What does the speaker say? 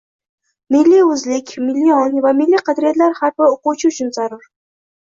Milliy oʻzlik, milliy ong va milliy qadriyatlar har bir oʻquvchi uchun zarur